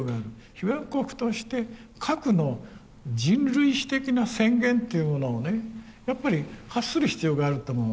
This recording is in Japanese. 被爆国として核の人類史的な宣言というものをねやっぱり発する必要があると思う。